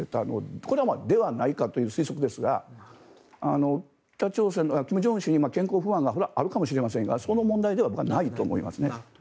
これは、ではないかという推測ですが金正恩氏に健康不安があるかもしれませんがそういう問題じゃないと思いますね。